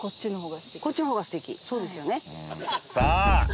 さあ！